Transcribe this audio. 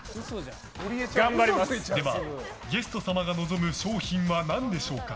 では、ゲスト様が望む商品は何でしょうか？